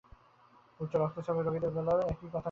উচ্চ রক্তচাপের রোগীদের বেলায়ও একই কথা খাটে।